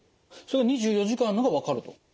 それは２４時間のが分かると。